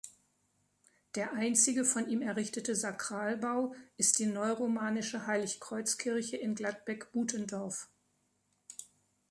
Der einzige von ihm errichtete Sakralbau ist die neuromanische Heilig-Kreuz-Kirche in Gladbeck-Butendorf.